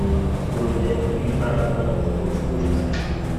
urugero nk ‘imbaraga rukuruzi.